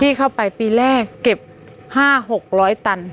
ที่เข้าไปปีแรกเก็บ๕๖๐๐ตัน